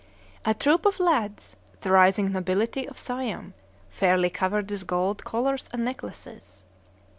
A troop of lads, the rising nobility of Siam, fairly covered with gold collars and necklaces.